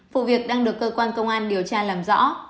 vụ việc đang được cơ quan công an điều tra làm rõ